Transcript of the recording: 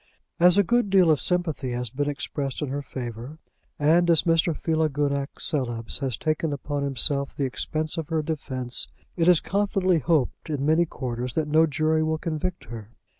As a good deal of sympathy has been expressed in her favour, and as Mr. Philogunac Coelebs has taken upon himself the expense of her defence, it is confidently hoped in many quarters that no jury will convict her.